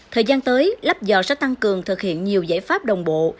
thời gian tới lắp dò sẽ tăng cường thực hiện nhiều giải pháp đồng bộ